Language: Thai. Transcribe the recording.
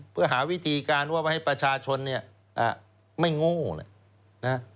เพื่อหาวิธีการว่าให้ประชาชนเนี่ยไม่โง่เลยนะ